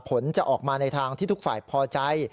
ผลจะออกมาในทางที่ทุกฝ่ายพอใจ